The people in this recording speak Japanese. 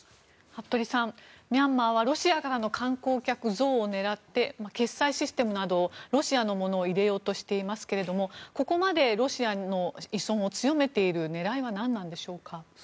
服部さん、ミャンマーはロシアからの観光客増を狙って決済システムなどロシアのものを入れようとしていますがここまでロシアの依存を強めている狙いは何なんでしょうか。